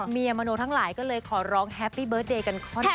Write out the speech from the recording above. เมียมโนทั้งหลายก็เลยขอร้องแฮปปี้เบิร์ตเดย์กันข้อหนึ่ง